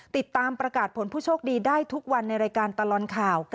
ติดตามประกาศผลผู้โชคดีได้ทุกวันในรายการตลอดข่าว